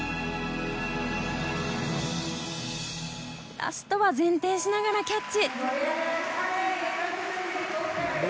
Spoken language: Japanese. ラストは前転しながらキャッチ。